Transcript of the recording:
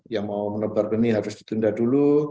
yang mau menepar peni harus ditundah dulu